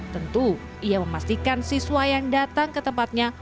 tentu ia memastikan siswa yang datang ke tempatnya